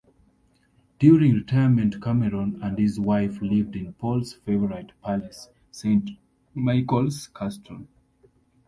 During retirement Cameron and his wife lived in Paul's favourite palace, Saint Michael's Castle.